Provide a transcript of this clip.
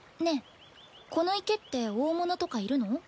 ねえこの池って大物とかいるの？